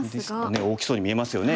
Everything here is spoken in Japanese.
大きそうに見えますよね。